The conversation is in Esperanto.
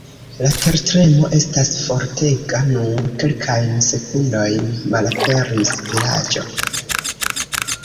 La tertremo estas fortega, nur kelkajn sekundojn, malaperis vilaĝo.